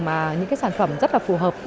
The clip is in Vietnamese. mà những sản phẩm rất là phù hợp